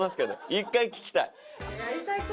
１回聞きたい。